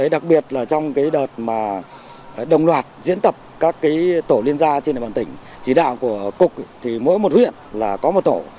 đặc biệt là trong đợt đồng loạt diễn tập các tổ liên gia trên địa bàn tỉnh chỉ đạo của cục thì mỗi một huyện là có một tổ